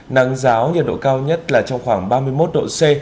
nắng ráo nhiệt độ cao nhất là trong khoảng ba mươi một độ c